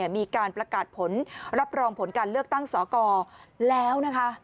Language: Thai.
มีการประกาศผลรับรองผลการเลือกตั้งสกแล้วนะคะ